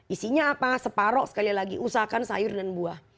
isinya apa separoh sekali lagi usahakan sayur dan buah